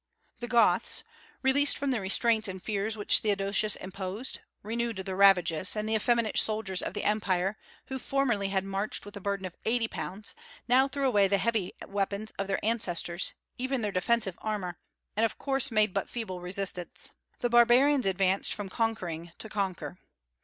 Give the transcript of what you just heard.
The Goths, released from the restraints and fears which Theodosius imposed, renewed their ravages; and the effeminate soldiers of the Empire, who formerly had marched with a burden of eighty pounds, now threw away the heavy weapons of their ancestors, even their defensive armor, and of course made but feeble resistance. The barbarians advanced from conquering to conquer.